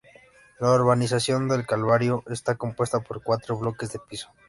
La urbanización El Calvario está compuesta por cuatro bloques de pisos.